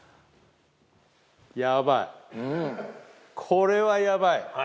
これはやばい。